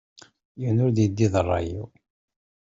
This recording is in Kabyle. Yiwen ur d-yeddi d rray-iw.